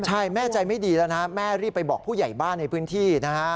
ใช่แม่ใจไม่ดีแล้วนะฮะแม่รีบไปบอกผู้ใหญ่บ้านในพื้นที่นะฮะ